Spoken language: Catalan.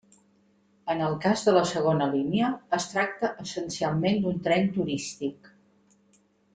En el cas de la segona línia, es tracta essencialment d'un tren turístic.